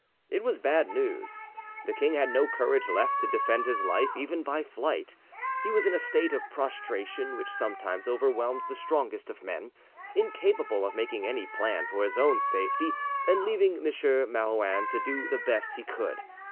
It was bad news. The king had no courage left to defend his life even by flight, he was in a state of prostration which sometimes overwhelms the strongest of men, incapable of making any plan for his own safety, and leaving M. Marouin to do the best he could.